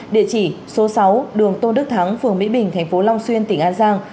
địa chỉ số sáu đường tôn đức thắng phường mỹ bình thành phố long xuyên tỉnh an giang